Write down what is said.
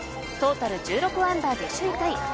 トータル１６アンダーで首位タイ。